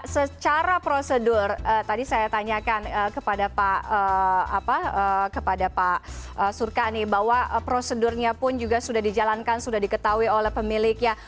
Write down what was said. secara prosedur tadi saya tanyakan kepada pak surkan bahwa prosedurnya pun juga sudah dijalankan sudah diketahui oleh pemiliknya